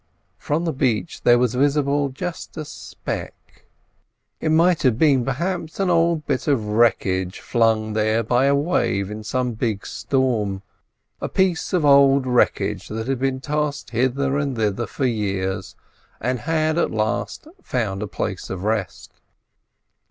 From the beach there was visible just a speck. It might have been, perhaps, a bit of old wreckage flung there by a wave in some big storm. A piece of old wreckage that had been tossed hither and thither for years, and had at last found a place of rest.